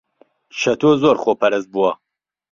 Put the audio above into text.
چەتۆ زۆر خۆپەرست بووە.